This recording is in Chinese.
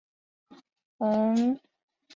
恒基兆业地产主席李兆基同时是公司主席。